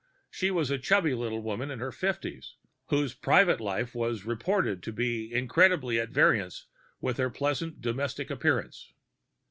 She was a chubby little woman in her fifties, whose private life was reported to be incredibly at variance with her pleasantly domestic appearance.